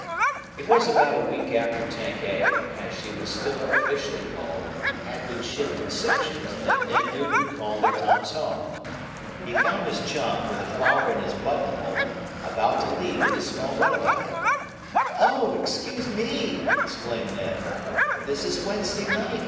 It was about a week after Tank A, as she was still officially called, had been shipped in sections that Ned Newton called at Tom's home. He found his chum, with a flower in his buttonhole, about to leave in his small runabout. "Oh, excuse me!" exclaimed Ned. "This is Wednesday night.